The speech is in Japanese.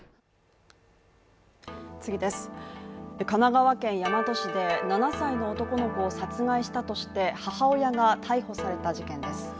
神奈川県大和市で７歳の男の子を殺害したとして母親が逮捕された事件です。